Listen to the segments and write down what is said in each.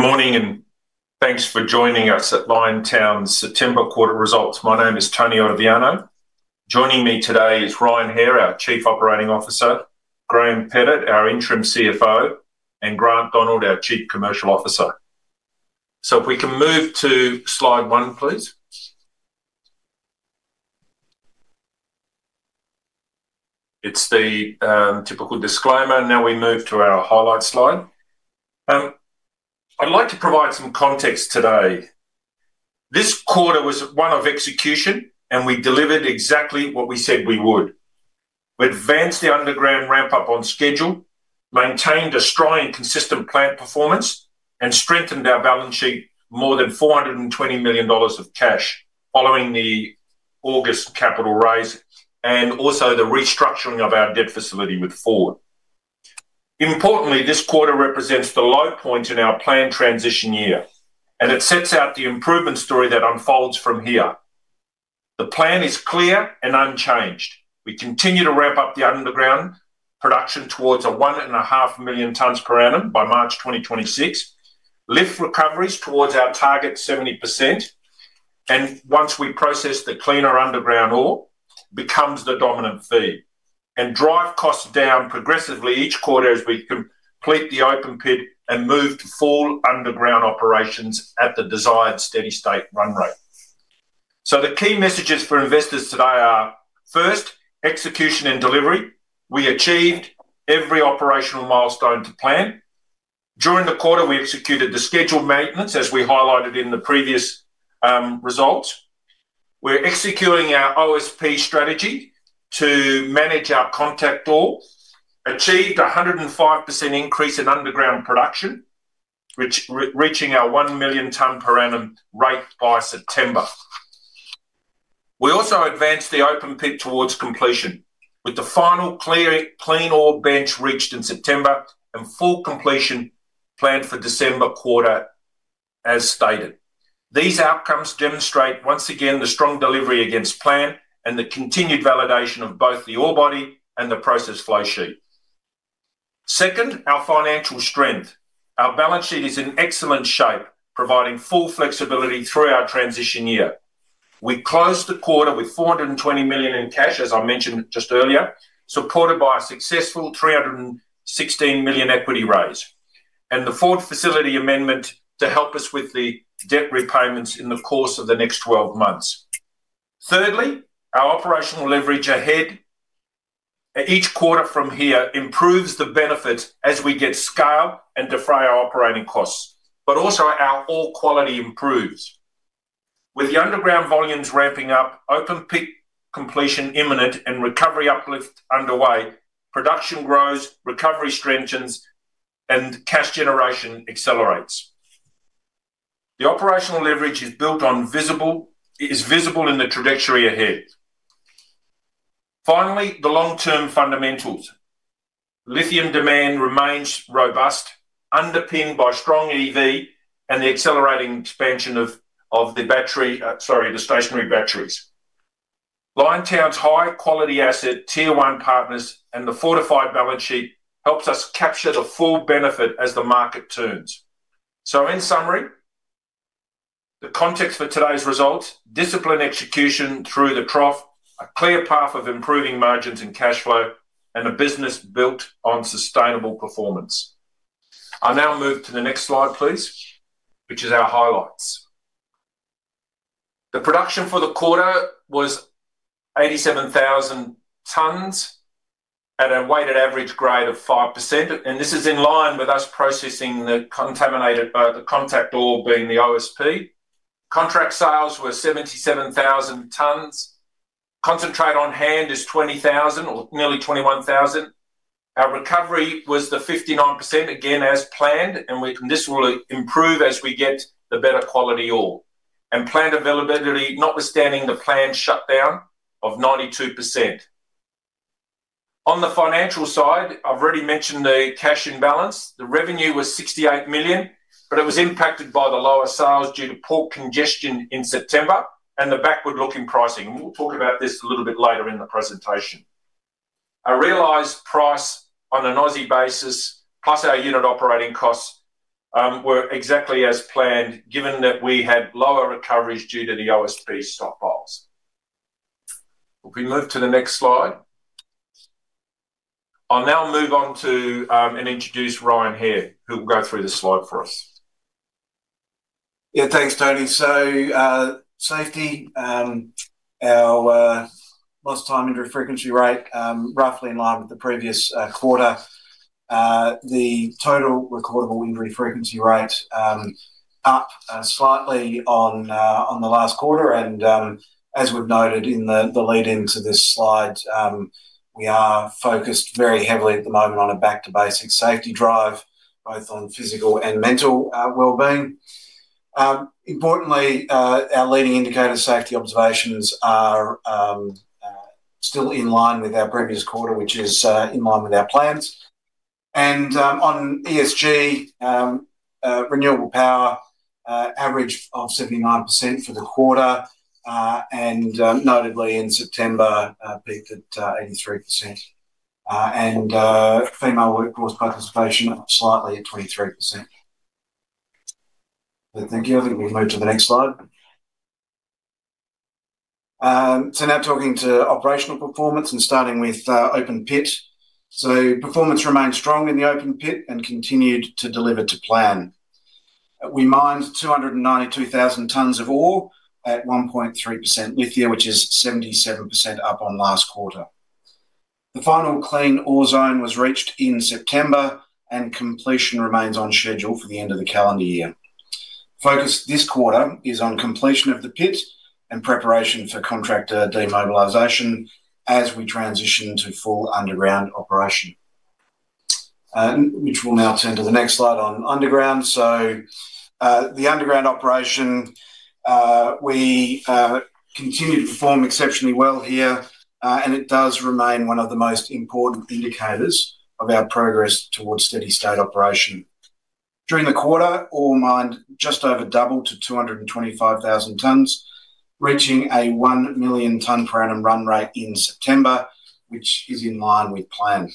Good morning and thanks for joining us at Liontown's September quarter results. My name is Tony Ottaviano. Joining me today is Ryan Hair, our Chief Operating Officer, Graeme Pettit, our Interim Chief Financial Officer, and Grant Donald, our Chief Commercial Officer. If we can move to slide one, please. It's the typical disclaimer. Now we move to our highlight slide. I'd like to provide some context today. This quarter was one of execution, and we delivered exactly what we said we would. We advanced the underground ramp up on schedule, maintained a strong and consistent plant performance, and strengthened our balance sheet with more than 420 million dollars of cash following the August capital raise and also the restructuring of our debt facility with Ford Motor Company. Importantly, this quarter represents the low point in our planned transition year, and it sets out the improvement story that unfolds from here. The plan is clear and unchanged. We continue to ramp up the underground production towards 1.5 million tonnes per annum by March 2026, lift recoveries towards our target 70%, and once we process the cleaner underground ore, it becomes the dominant feed, and drive costs down progressively each quarter as we complete the open pit and move to full underground operations at the desired steady-state run rate. The key messages for investors today are first, execution and delivery. We achieved every operational milestone to plan. During the quarter, we executed the scheduled maintenance as we highlighted in the previous results. We're executing our OSP strategy to manage our contact ore, achieved a 105% increase in underground production, reaching our 1 million tonnes per annum rate by September. We also advanced the open pit towards completion, with the final clean ore bench reached in September and full completion planned for the December quarter as stated. These outcomes demonstrate once again the strong delivery against plan and the continued validation of both the ore body and the process flow sheet. Second, our financial strength. Our balance sheet is in excellent shape, providing full flexibility through our transition year. We closed the quarter with 420 million in cash, as I mentioned just earlier, supported by a successful 316 million equity raise and the Ford Motor Company facility amendment to help us with the debt repayments in the course of the next 12 months. Thirdly, our operational leverage ahead at each quarter from here improves the benefits as we get scale and defray our operating costs, but also our ore quality improves. With the underground volumes ramping up, open pit completion imminent, and recovery uplift underway, production grows, recovery strengthens, and cash generation accelerates. The operational leverage is built on, visible in the trajectory ahead. Finally, the long-term fundamentals. Lithium demand remains robust, underpinned by strong EV and the accelerating expansion of the battery, sorry, the stationary batteries. Liontown's high-quality asset, Tier 1 partners, and the fortified balance sheet help us capture the full benefit as the market turns. In summary, the context for today's results: disciplined execution through the trough, a clear path of improving margins and cash flow, and a business built on sustainable performance. I'll now move to the next slide, please, which is our highlights. The production for the quarter was 87,000 tonnes at a weighted average grade of 5%, and this is in line with us processing the contact ore being the OSP. Contract sales were 77,000 tonnes. Concentrate on hand is 20,000 or nearly 21,000. Our recovery was 59%, again as planned, and this will improve as we get the better quality ore. Planned availability, notwithstanding the planned shutdown, was 92%. On the financial side, I've already mentioned the cash imbalance. The revenue was 68 million, but it was impacted by the lower sales due to port congestion in September and the backward-looking pricing. We'll talk about this a little bit later in the presentation. A realized price on a noisy basis, plus our unit operating costs, were exactly as planned given that we had lower recoveries due to the OSP stockpiles. If we move to the next slide, I'll now move on to and introduce Ryan Hair, who will go through the slide for us. Yeah, thanks, Tony. Safety, our lost time injury frequency rate is roughly in line with the previous quarter. The total recordable injury frequency rate is up slightly on the last quarter, and as we've noted in the lead-in to this slide, we are focused very heavily at the moment on a back-to-basic safety drive, both on physical and mental wellbeing. Importantly, our leading indicator safety observations are still in line with our previous quarter, which is in line with our plans. On ESG, renewable power averaged 79% for the quarter, and notably in September peaked at 83%. Female workforce participation is up slightly at 23%. Thank you. I think we'll move to the next slide. Now talking to operational performance and starting with open pit. Performance remained strong in the open pit and continued to deliver to plan. We mined 292,000 tonnes of ore at 1.3% lithium, which is 77% up on last quarter. The final clean ore zone was reached in September, and completion remains on schedule for the end of the calendar year. The focus this quarter is on completion of the pit and preparation for contractor demobilization as we transition to full underground operation, which we'll now turn to the next slide on underground. The underground operation, we continue to perform exceptionally well here, and it does remain one of the most important indicators of our progress towards steady-state operation. During the quarter, ore mined just over doubled to 225,000 tonnes, reaching a 1 million tonnes per annum run rate in September, which is in line with plan.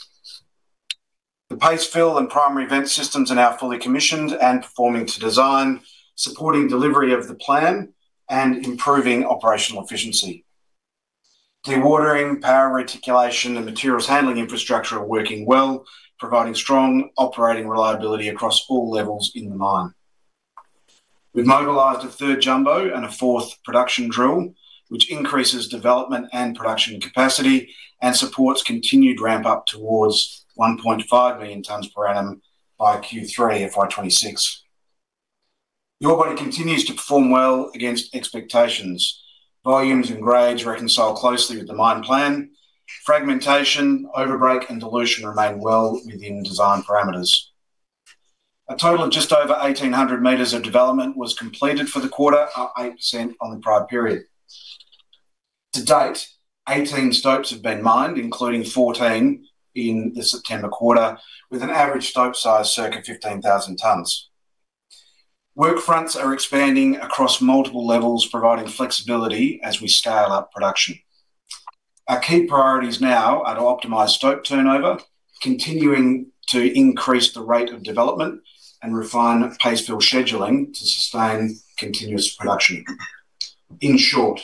The pastefill and primary vent systems are now fully commissioned and performing to design, supporting delivery of the plan and improving operational efficiency. Dewatering, power reticulation, and materials handling infrastructure are working well, providing strong operating reliability across all levels in the mine. We've mobilized a third jumbo and a fourth production drill, which increases development and production capacity and supports continued ramp up towards 1.5 million tonnes per annum by Q3 of 2026. The ore body continues to perform well against expectations. Volumes and grades reconcile closely with the mine plan. Fragmentation, overbreak, and dilution remain well within design parameters. A total of just over 1,800 meters of development was completed for the quarter, up 8% on the prior period. To date, 18 stopes have been mined, including 14 in the September quarter, with an average stope size circa 15,000 tonnes. Work fronts are expanding across multiple levels, providing flexibility as we scale up production. Our key priorities now are to optimize stope turnover, continuing to increase the rate of development, and refine pastefill scheduling to sustain continuous production. In short,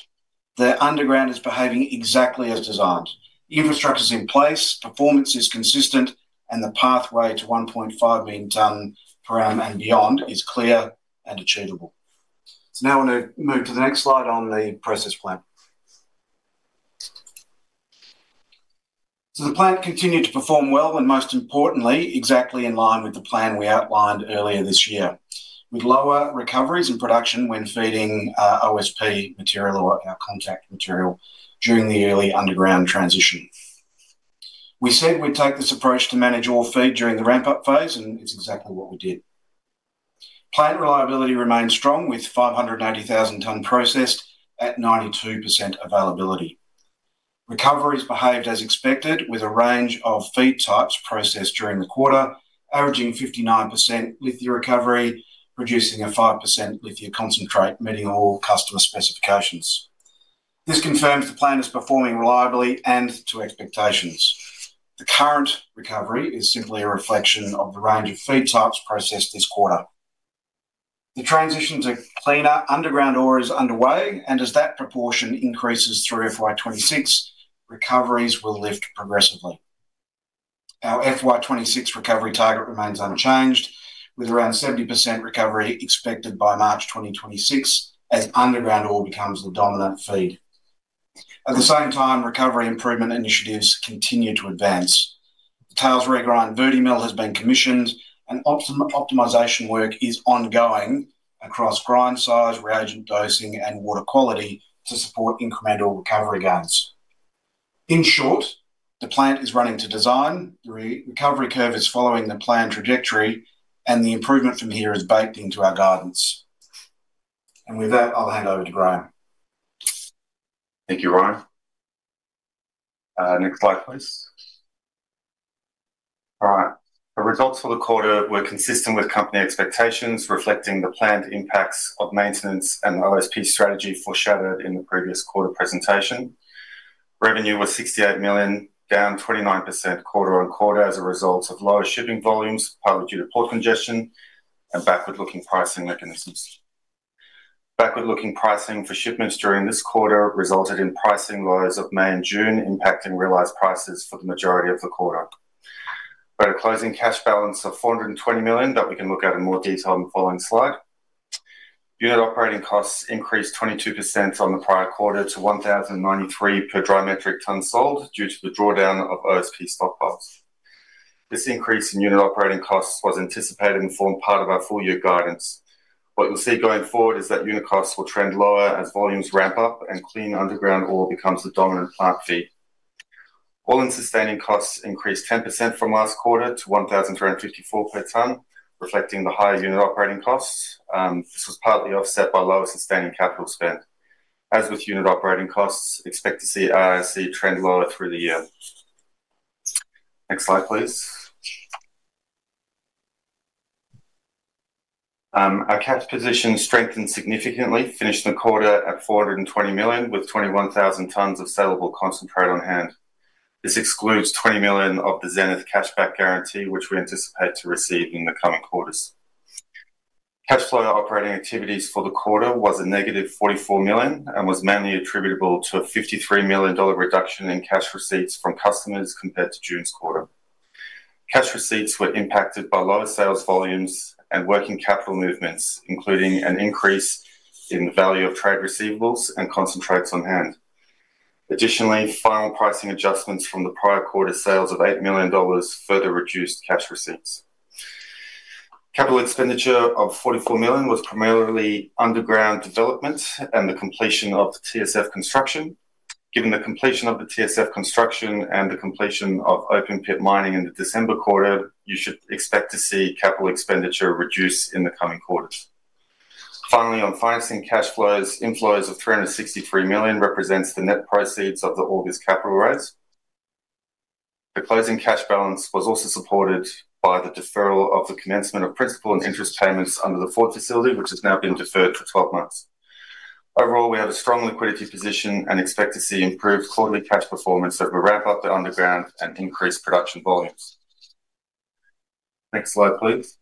the underground is behaving exactly as designed. Infrastructure's in place, performance is consistent, and the pathway to 1.5 million tonnes per annum and beyond is clear and achievable. I want to move to the next slide on the process plant. The plant continued to perform well and, most importantly, exactly in line with the plan we outlined earlier this year, with lower recoveries in production when feeding OSP material or our contact material during the early underground transition. We said we'd take this approach to manage ore feed during the ramp-up phase, and it's exactly what we did. Plant reliability remains strong, with 580,000 tonnes processed at 92% availability. Recoveries behaved as expected, with a range of feed types processed during the quarter, averaging 59% lithium recovery, producing a 5% lithium concentrate meeting all customer specifications. This confirms the plant is performing reliably and to expectations. The current recovery is simply a reflection of the range of feed types processed this quarter. The transition to cleaner underground ore is underway, and as that proportion increases through FY 2026, recoveries will lift progressively. Our FY 2026 recovery target remains unchanged, with around 70% recovery expected by March 2026 as underground ore becomes the dominant feed. At the same time, recovery improvement initiatives continue to advance. The tails regrind vertimill has been commissioned, and optimization work is ongoing across grind size, reagent dosing, and water quality to support incremental recovery gains. In short, the plant is running to design, the recovery curve is following the planned trajectory, and the improvement from here is baked into our guidance. With that, I'll hand over to Graeme. Thank you, Ryan. Next slide, please. All right. The results for the quarter were consistent with company expectations, reflecting the planned impacts of maintenance and the OSP strategy foreshadowed in the previous quarter presentation. Revenue was 68 million, down 29% quarter on quarter as a result of lower shipping volumes, probably due to port congestion and backward-looking pricing mechanisms. Backward-looking pricing for shipments during this quarter resulted in pricing lows of May and June, impacting realized prices for the majority of the quarter. We've got a closing cash balance of 420 million that we can look at in more detail on the following slide. Unit operating costs increased 22% on the prior quarter to 1,093 per dry metric tonne sold due to the drawdown of OSP stockpiles. This increase in unit operating costs was anticipated and formed part of our full-year guidance. What you'll see going forward is that unit costs will trend lower as volumes ramp up and clean underground ore becomes the dominant plant feed. All-in sustaining costs increased 10% from last quarter to 1,354 per tonne, reflecting the higher unit operating costs. This was partly offset by lower sustaining capital spend. As with unit operating costs, expect to see AISC trend lower through the year. Next slide, please. Our cash position strengthened significantly, finishing the quarter at 420 million with 21,000 tonnes of sellable concentrate on hand. This excludes 20 million of the Zenith cashback guarantee, which we anticipate to receive in the coming quarters. Cash flow operating activities for the quarter was a negative 44 million and was mainly attributable to a 53 million dollar reduction in cash receipts from customers compared to June's quarter. Cash receipts were impacted by lower sales volumes and working capital movements, including an increase in the value of trade receivables and concentrates on hand. Additionally, final pricing adjustments from the prior quarter's sales of 8 million dollars further reduced cash receipts. Capital expenditure of 44 million was primarily underground development and the completion of the TSF construction. Given the completion of the TSF construction and the completion of open pit mining in the December quarter, you should expect to see capital expenditure reduce in the coming quarters. Finally, on financing cash flows, inflows of 363 million represent the net proceeds of the August capital raise. The closing cash balance was also supported by the deferral of the commencement of principal and interest payments under the Ford Motor Company facility, which has now been deferred for 12 months. Overall, we have a strong liquidity position and expect to see improved quarterly cash performance as we ramp up the underground and increase production volumes. Next slide, please.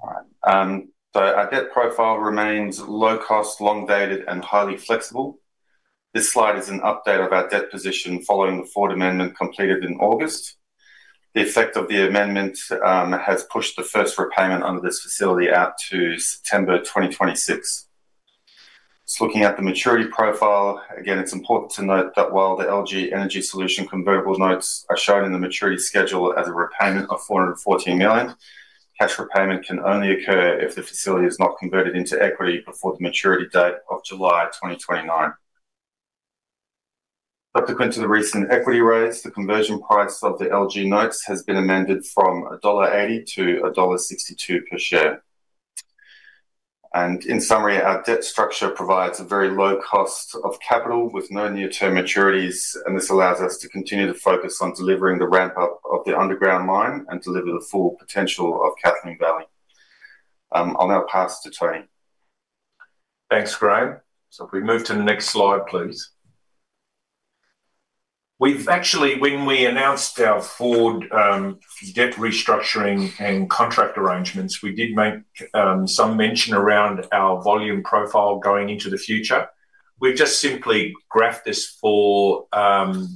All right. Our debt profile remains low-cost, long-dated, and highly flexible. This slide is an update of our debt position following the Ford Motor Company amendment completed in August. The effect of the amendment has pushed the first repayment under this facility out to September 2026. Just looking at the maturity profile, again, it's important to note that while the LG Energy Solution convertible notes are shown in the maturity schedule as a repayment of 414 million, cash repayment can only occur if the facility is not converted into equity before the maturity date of July 2029. Subsequent to the recent equity raise, the conversion price of the LG Energy Solution notes has been amended from dollar 1.80 to dollar 1.62 per share. In summary, our debt structure provides a very low cost of capital with no near-term maturities, and this allows us to continue to focus on delivering the ramp-up of the underground mine and deliver the full potential of Kathleen Valley. I'll now pass to Tony. Thanks, Graeme. If we move to the next slide, please. When we announced our Ford Motor Company debt restructuring and contract arrangements, we did make some mention around our volume profile going into the future. We've just simply graphed this for the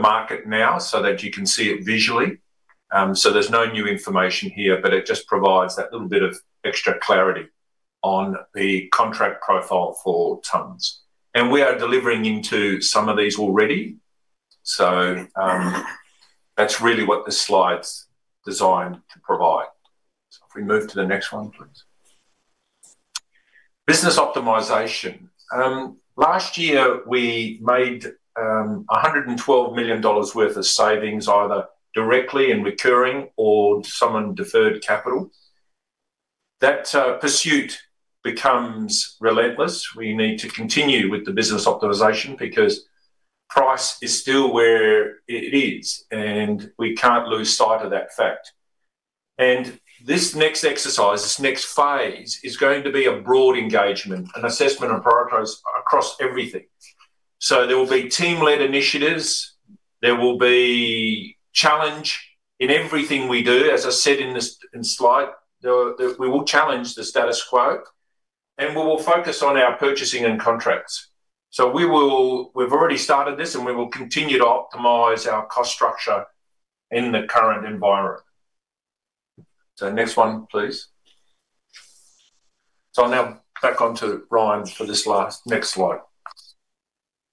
market now so that you can see it visually. There's no new information here, but it just provides that little bit of extra clarity on the contract profile for tonnes. We are delivering into some of these already. That's really what the slide's designed to provide. If we move to the next one, please. Business optimization. Last year, we made 112 million dollars worth of savings either directly in recurring or some in deferred capital. That pursuit becomes relentless. We need to continue with the business optimization because price is still where it is, and we can't lose sight of that fact. This next exercise, this next phase, is going to be a broad engagement, an assessment of priorities across everything. There will be team-led initiatives. There will be challenge in everything we do. As I said in this slide, we will challenge the status quo, and we will focus on our purchasing and contracts. We've already started this, and we will continue to optimize our cost structure in the current environment. Next one, please. I'll now hand back onto Ryan for this last next slide.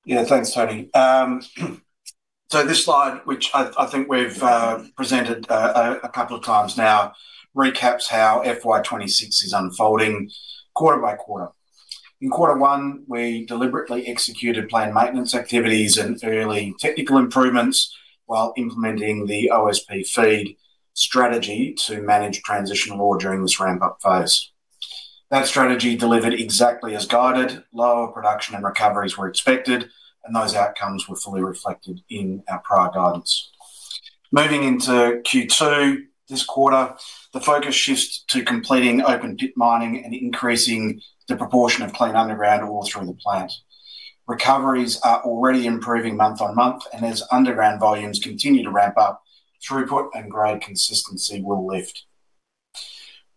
Yeah, thanks, Tony. This slide, which I think we've presented a couple of times now, recaps how FY 2026 is unfolding quarter by quarter. In quarter one, we deliberately executed planned maintenance activities and early technical improvements while implementing the OSP feed strategy to manage transitional ore during this ramp-up phase. That strategy delivered exactly as guided. Lower production and recoveries were expected, and those outcomes were fully reflected in our prior guidance. Moving into Q2 this quarter, the focus shifts to completing open pit mining and increasing the proportion of clean underground ore through the plant. Recoveries are already improving month on month, and as underground volumes continue to ramp up, throughput and grade consistency will lift.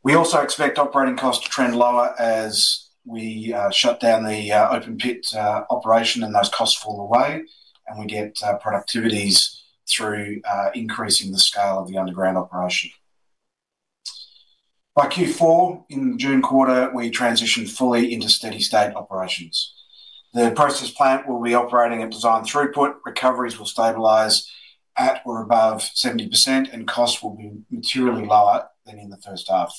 We also expect operating costs to trend lower as we shut down the open pit operation and those costs fall away, and we get productivities through increasing the scale of the underground operation. By Q4, in the June quarter, we transition fully into steady-state operations. The process plant will be operating at design throughput. Recoveries will stabilize at or above 70%, and costs will be materially lower than in the first half.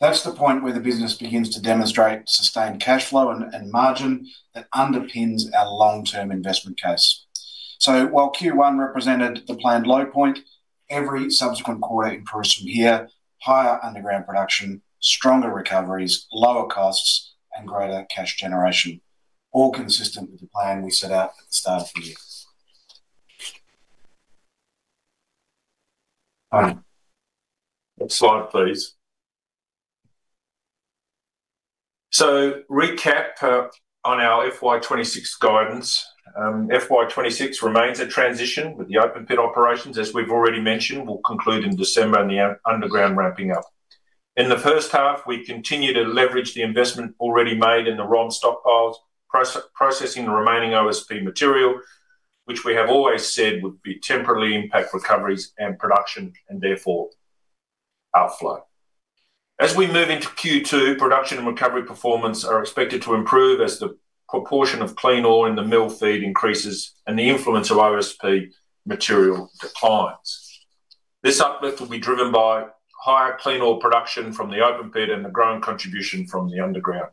That is the point where the business begins to demonstrate sustained cash flow and margin that underpins our long-term investment case. Q1 represented the planned low point, and every subsequent quarter improves from here: higher underground production, stronger recoveries, lower costs, and greater cash generation, all consistent with the plan we set out at the start of the year. Next slide, please. Recap on our FY 2026 guidance. FY 2026 remains a transition with the open pit operations, as we've already mentioned, will conclude in December and the underground ramping up. In the first half, we continue to leverage the investment already made in the ROM stockpiles, processing the remaining OSP material, which we have always said would temporarily impact recoveries and production and therefore our flow. As we move into Q2, production and recovery performance are expected to improve as the proportion of clean ore in the mill feed increases and the influence of OSP material declines. This uplift will be driven by higher clean ore production from the open pit and the growing contribution from the underground.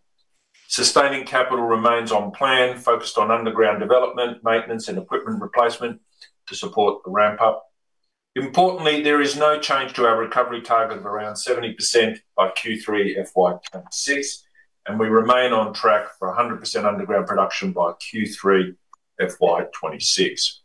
Sustaining capital remains on plan, focused on underground development, maintenance, and equipment replacement to support the ramp-up. Importantly, there is no change to our recovery target of around 70% by Q3 FY 2026, and we remain on track for 100% underground production by Q3 FY 2026.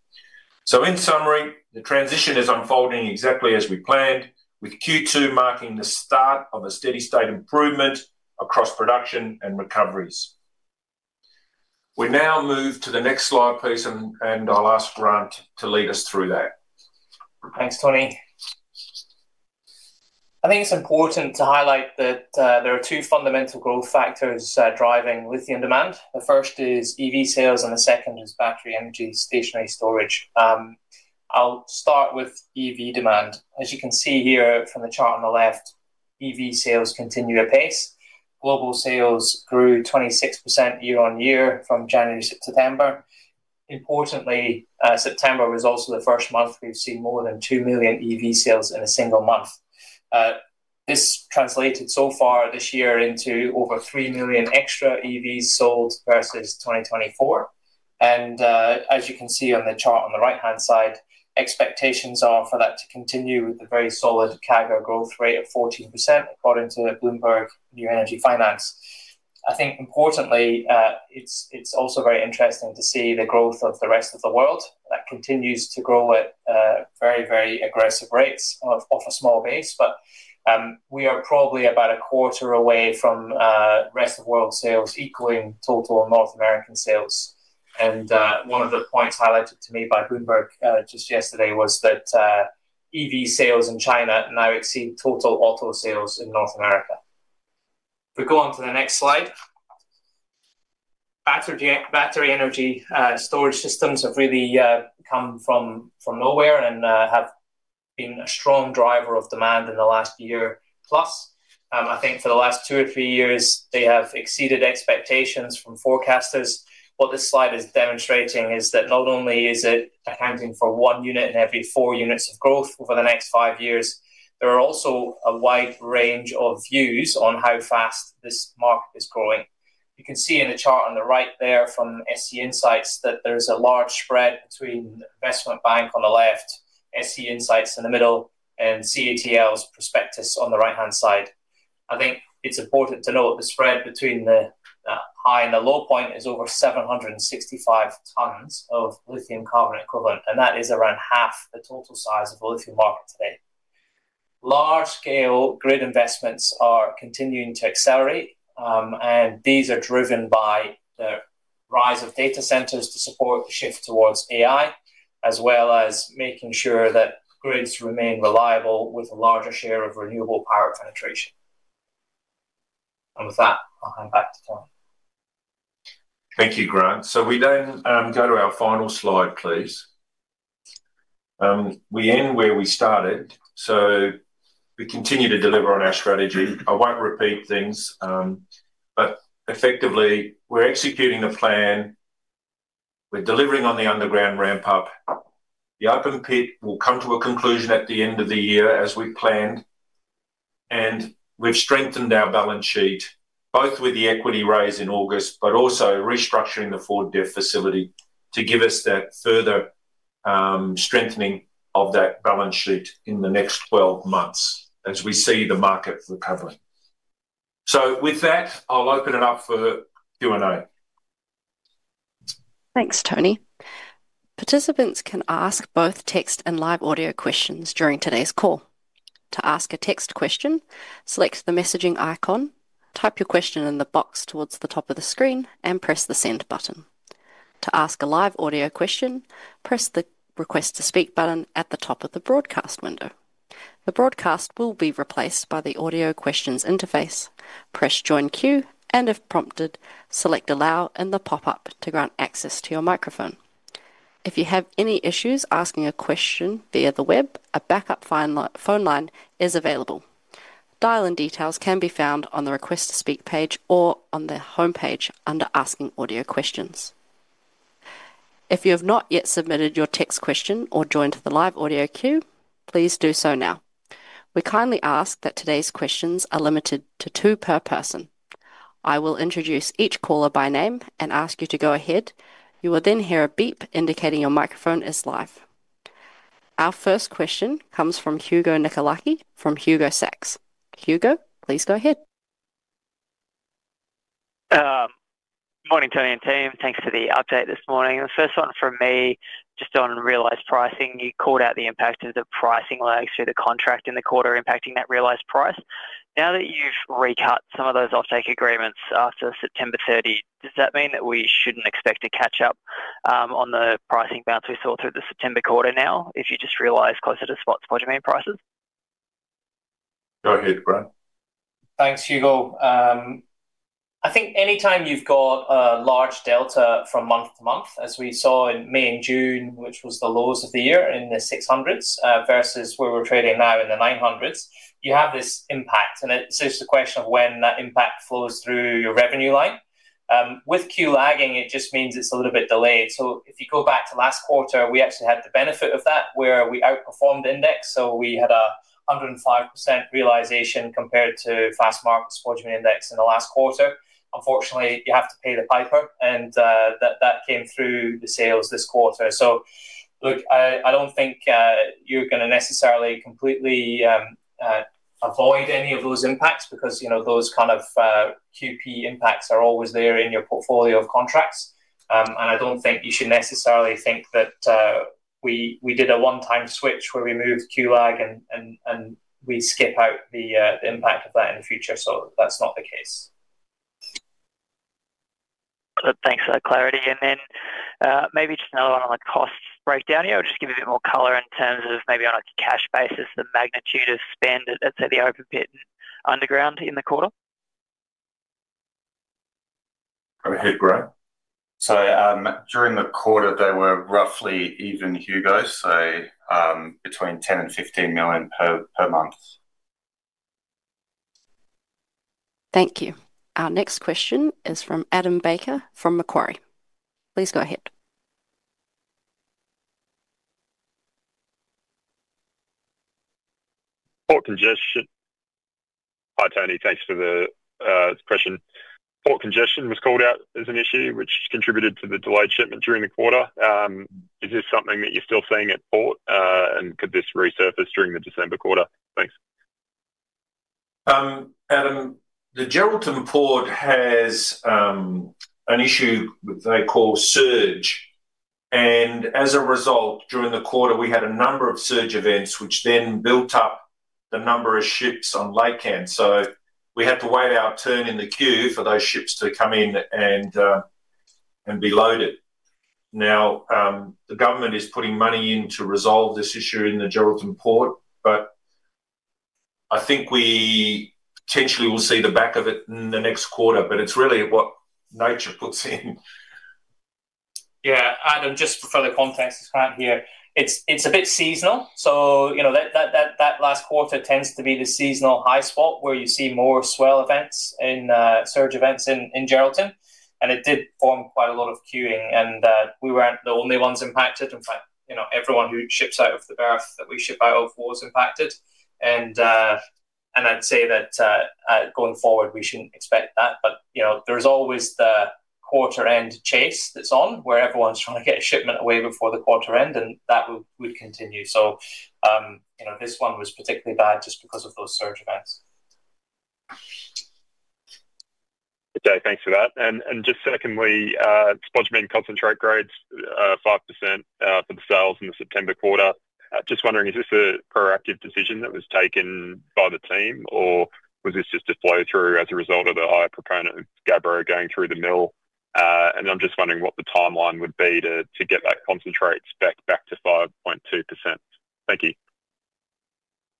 In summary, the transition is unfolding exactly as we planned, with Q2 marking the start of a steady-state improvement across production and recoveries. We now move to the next slide, please, and I'll ask Grant to lead us through that. Thanks, Tony. I think it's important to highlight that there are two fundamental growth factors driving lithium demand. The first is EV sales, and the second is battery energy stationary storage. I'll start with EV demand. As you can see here from the chart on the left, EV sales continue apace. Global sales grew 26% year on year from January to September. Importantly, September was also the first month we've seen more than 2 million EV sales in a single month. This translated so far this year into over 3 million extra EVs sold versus 2024. As you can see on the chart on the right-hand side, expectations are for that to continue with a very solid CAGR growth rate of 14% according to Bloomberg New Energy Finance. I think, importantly, it's also very interesting to see the growth of the rest of the world that continues to grow at very, very aggressive rates, off a small base. We are probably about a quarter away from the rest of the world's sales equaling total North American sales. One of the points highlighted to me by Bloomberg just yesterday was that EV sales in China now exceed total auto sales in North America. If we go on to the next slide, battery energy storage systems have really come from nowhere and have been a strong driver of demand in the last year plus. I think for the last two or three years, they have exceeded expectations from forecasters. What this slide is demonstrating is that not only is it accounting for one unit in every four units of growth over the next five years, there are also a wide range of views on how fast this market is growing. You can see in the chart on the right there from S&P Insights that there's a large spread between Investment Bank on the left, S&P Insights in the middle, and CATL's prospectus on the right-hand side. I think it's important to note the spread between the high and the low point is over 765,000 tonnes of lithium carbonate equivalent, and that is around half the total size of the lithium market today. Large-scale grid investments are continuing to accelerate, and these are driven by the rise of data centers to support the shift towards AI, as well as making sure that grids remain reliable with a larger share of renewable power penetration. With that, I'll hand back to Tony. Thank you, Grant. We then go to our final slide, please. We end where we started. We continue to deliver on our strategy. I won't repeat things, but effectively, we're executing the plan. We're delivering on the underground ramp-up. The open pit will come to a conclusion at the end of the year as we planned. We've strengthened our balance sheet, both with the equity raise in August and also restructuring the Ford Motor Company debt facility to give us that further strengthening of that balance sheet in the next 12 months as we see the market recovering. With that, I'll open it up for Q&A. Thanks, Tony. Participants can ask both text and live audio questions during today's call. To ask a text question, select the messaging icon, type your question in the box towards the top of the screen, and press the Send button. To ask a live audio question, press the Request to Speak button at the top of the broadcast window. The broadcast will be replaced by the audio questions interface. Press Join Queue, and if prompted, select Allow in the pop-up to grant access to your microphone. If you have any issues asking a question via the web, a backup phone line is available. Dial-in details can be found on the Request to Speak page or on the homepage under Asking Audio Questions. If you have not yet submitted your text question or joined the live audio queue, please do so now. We kindly ask that today's questions are limited to two per person. I will introduce each caller by name and ask you to go ahead. You will then hear a beep indicating your microphone is live. Our first question comes from Hugo Nicolaci from Goldman Sachs. Hugo, please go ahead. Morning, Tony and team. Thanks for the update this morning. The first one from me just on realised pricing. You called out the impact of the pricing lags through the contract in the quarter impacting that realised price. Now that you've recut some of those offtake agreements after September 30, does that mean that we shouldn't expect a catch-up on the pricing bounce we saw through the September quarter now if you just realise closer to spot spodumene prices? Go ahead, Grant. Thanks, Hugo. I think anytime you've got a large delta from month to month, as we saw in May and June, which was the lows of the year in the 600s versus where we're trading now in the 900s, you have this impact. It's just a question of when that impact flows through your revenue line. With queue lagging, it just means it's a little bit delayed. If you go back to last quarter, we actually had the benefit of that where we outperformed the index. We had a 105% realisation compared to Fast Market Spodumene Index in the last quarter. Unfortunately, you have to pay the piper, and that came through the sales this quarter. I don't think you're going to necessarily completely avoid any of those impacts because those kind of QP impacts are always there in your portfolio of contracts. I don't think you should necessarily think that we did a one-time switch where we moved queue lag and we skip out the impact of that in the future. That's not the case. Thanks for that clarity. Maybe just another one on the cost breakdown here. Just give you a bit more colour in terms of maybe on a cash basis, the magnitude of spend at, say, the open pit and underground in the quarter. Go ahead, Graeme. During the quarter, they were roughly even, Hugo, so between 10 million and 15 million per month. Thank you. Our next question is from Adam Baker from Macquarie. Please go ahead. Port congestion. Hi, Tony. Thanks for the question. Port congestion was called out as an issue, which contributed to the delayed shipment during the quarter. Is this something that you're still seeing at port, and could this resurface during the December quarter? Thanks. Adam, the Geraldton Port has an issue that they call surge. As a result, during the quarter, we had a number of surge events, which then built up the number of ships on lake hand. We had to wait our turn in the queue for those ships to come in and be loaded. The government is putting money in to resolve this issue in the Geraldton Port. I think we potentially will see the back of it in the next quarter. It's really what nature puts in. Yeah, Adam, just for further context, it's Grant here. It's a bit seasonal. You know that last quarter tends to be the seasonal high spot where you see more swell events and surge events in Geraldton. It did form quite a lot of queuing, and we weren't the only ones impacted. In fact, everyone who ships out of the berth that we ship out of was impacted. I'd say that going forward, we shouldn't expect that. There's always the quarter-end chase that's on where everyone's trying to get a shipment away before the quarter end, and that would continue. This one was particularly bad just because of those surge events. Okay, thanks for that. Just secondly, spodumene concentrate grades 5% for the sales in the September quarter. I'm just wondering, is this a proactive decision that was taken by the team, or was this just a flow-through as a result of the higher proponent of Gabbro going through the mill? I'm just wondering what the timeline would be to get that concentrate back to 5.2%. Thank you.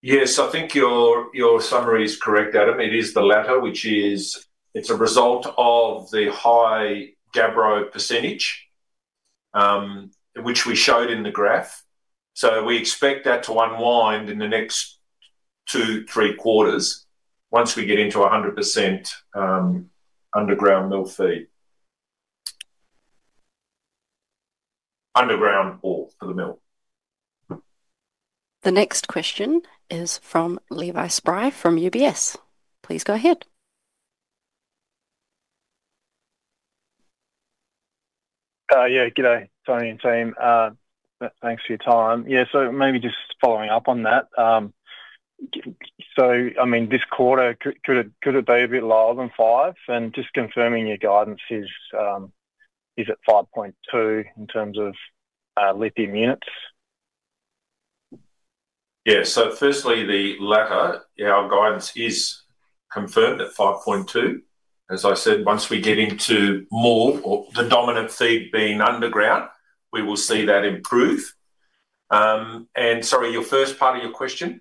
Yes, I think your summary is correct, Adam. It is the latter, which is it's a result of the high Gabbro percentage, which we showed in the graph. We expect that to unwind in the next two or three quarters once we get into 100% underground mill feed, underground ore for the mill. The next question is from Levi Spry from UBS. Please go ahead. Yeah, g'day, Tony and team. Thanks for your time. Maybe just following up on that. I mean, this quarter, could it be a bit lower than 5? Just confirming your guidance is at 5.2 in terms of lithium units. Yeah, firstly, the latter, our guidance is confirmed at 5.2. As I said, once we get into more or the dominant feed being underground, we will see that improve. Sorry, your first part of your question?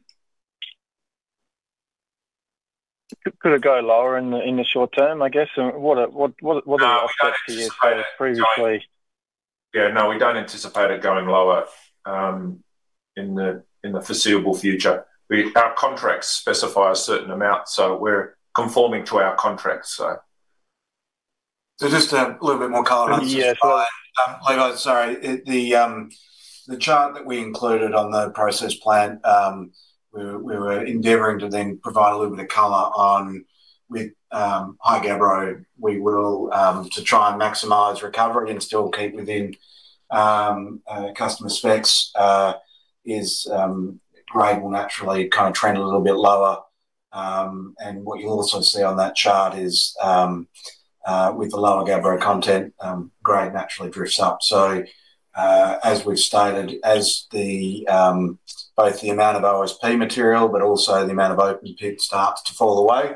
Could it go lower in the short term, I guess? What are the offsets for you? Yeah, no, we don't anticipate it going lower in the foreseeable future. Our contracts specify a certain amount, so we're conforming to our contracts. Just a little bit more color. Yeah. Levi, sorry. The chart that we included on the process plant, we were endeavoring to then provide a little bit of color on with high Gabbro. We will, to try and maximize recovery and still keep within customer specs, as grade will naturally kind of trend a little bit lower. What you'll also see on that chart is with the lower Gabbro content, grade naturally drifts up. As we've stated, as both the amount of OSP material, but also the amount of open pit starts to fall away,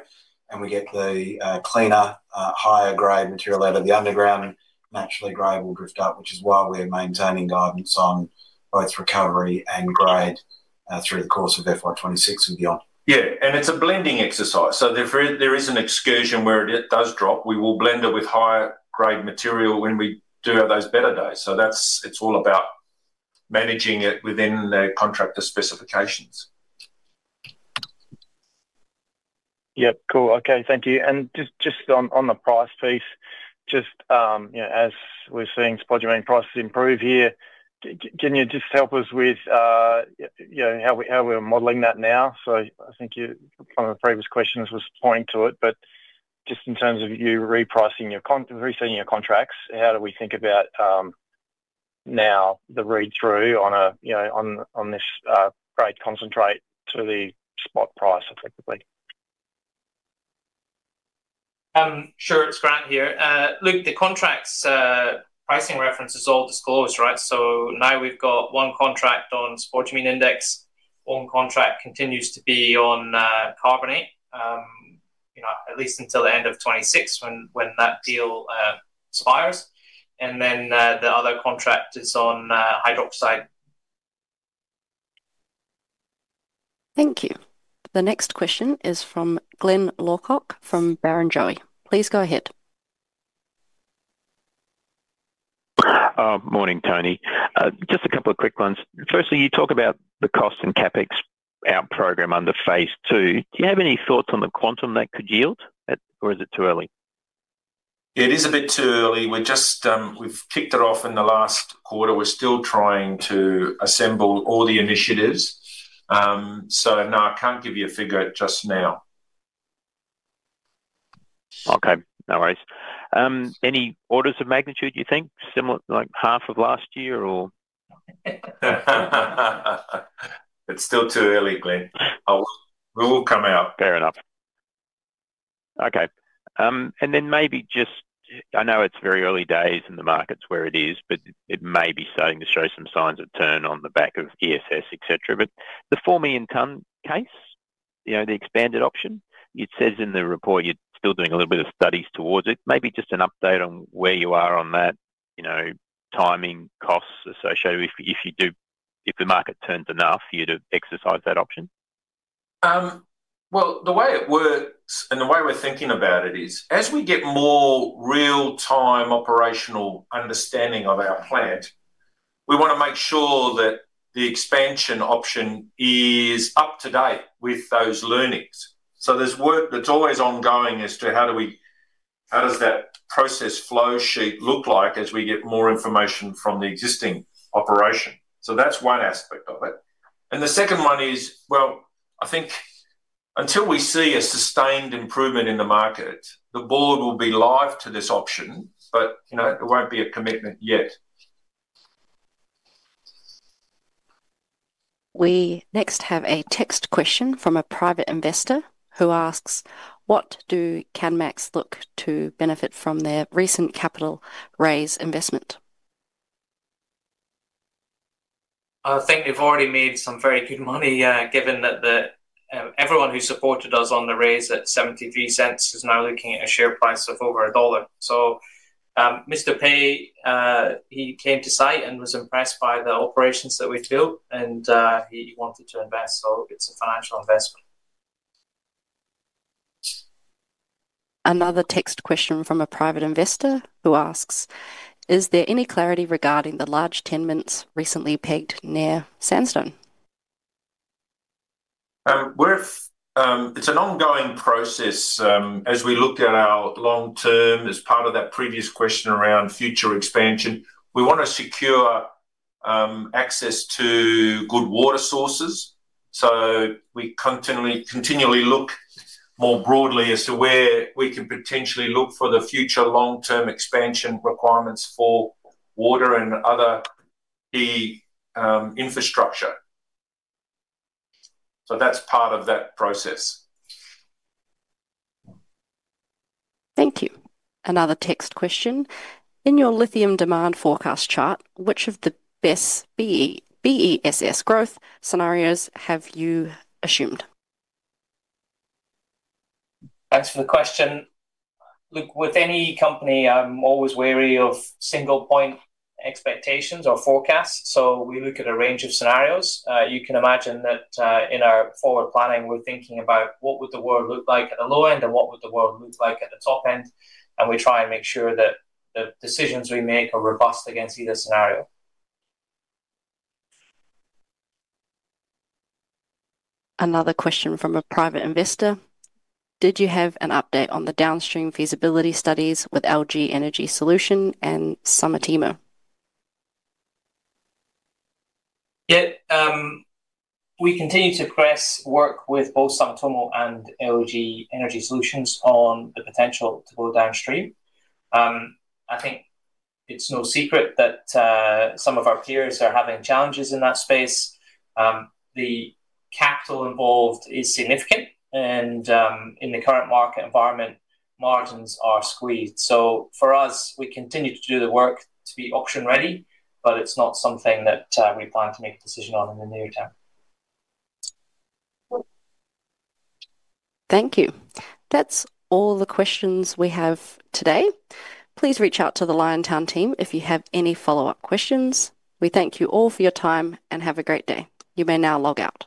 and we get the cleaner, higher grade material out of the underground, naturally grade will drift up, which is why we're maintaining guidance on both recovery and grade through the course of FY 2026 with you on. Yeah, and it's a blending exercise. There is an excursion where it does drop. We will blend it with higher grade material when we do have those better days. It's all about managing it within the contractor specifications. Yep, cool. Okay, thank you. Just on the price piece, as we're seeing spodumene prices improve here, can you help us with how we're modelling that now? I think one of the previous questions was pointing to it, but in terms of you re-selling your contracts, how do we think about the read-through on this grade concentrate to the spot price effectively? Sure, it's Grant here. Look, the contracts' pricing reference is all disclosed, right? Now we've got one contract on spodumene index, one contract continues to be on carbonate, at least until the end of 2026 when that deal expires, and the other contract is on hydroxide. Thank you. The next question is from Glyn Lawcock from Barrenjoey. Please go ahead. Morning, Tony. Just a couple of quick ones. Firstly, you talk about the cost and CapEx out program under phase two. Do you have any thoughts on the quantum that could yield, or is it too early? It is a bit too early. We've kicked it off in the last quarter. We're still trying to assemble all the initiatives, so no, I can't give you a figure just now. Okay, no worries. Any orders of magnitude, do you think, similar, like half of last year? It's still too early, Glyn. We will come out. Fair enough. Okay. I know it's very early days in the markets where it is, but it may be starting to show some signs of turn on the back of BESS, etc. The 4 million tonne case, you know, the expanded option, it says in the report you're still doing a little bit of studies towards it. Maybe just an update on where you are on that, timing, costs associated with if you do, if the market turns enough, you'd exercise that option? The way it works and the way we're thinking about it is as we get more real-time operational understanding of our plant, we want to make sure that the expansion option is up to date with those learnings. There's work that's always ongoing as to how do we, how does that process flow sheet look like as we get more information from the existing operation. That's one aspect of it. The second one is, I think until we see a sustained improvement in the market, the board will be live to this option, but you know, it won't be a commitment yet. We next have a text question from a private investor who asks, what do Cadmax look to benefit from their recent capital raise investment? I think they've already made some very good money given that everyone who supported us on the raise at 0.73 is now looking at a share price of over AUD 1.00. Mr. Pay came to site and was impressed by the operations that we've built, and he wanted to invest. It's a financial investment. Another text question from a private investor who asks, is there any clarity regarding the large tenements recently pegged near Sandstone? It's an ongoing process. As we look at our long-term, as part of that previous question around future expansion, we want to secure access to good water sources. We continually look more broadly as to where we can potentially look for the future long-term expansion requirements for water and other key infrastructure. That's part of that process. Thank you. Another text question. In your lithium demand forecast chart, which of the BESS growth scenarios have you assumed? Thanks for the question. Look, with any company, I'm always wary of single-point expectations or forecasts. We look at a range of scenarios. You can imagine that in our forward planning, we're thinking about what would the world look like at the low end and what would the world look like at the top end. We try and make sure that the decisions we make are robust against either scenario. Another question from a private investor. Did you have an update on the downstream feasibility studies with LG Energy Solution and Sumitomo? Yeah, we continue to progress work with both Sumitomo and LG Energy Solution on the potential to go downstream. I think it's no secret that some of our peers are having challenges in that space. The capital involved is significant, and in the current market environment, margins are squeezed. For us, we continue to do the work to be auction-ready, but it's not something that we plan to make a decision on in the near term. Thank you. That's all the questions we have today. Please reach out to the Liontown team if you have any follow-up questions. We thank you all for your time and have a great day. You may now log out.